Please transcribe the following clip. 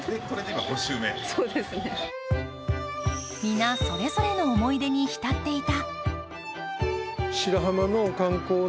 皆それぞれの思い出に浸っていた。